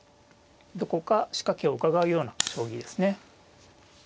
どこか仕掛けをうかがうような将棋ですね。